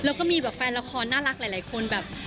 แล้วก็มีแบบแฟนละครน่ารักหลายคนแบบ